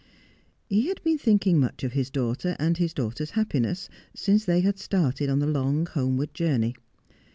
He had been thinking much of his daughter and his daughter's happiness, since they had started on the"lon<* homeward journey.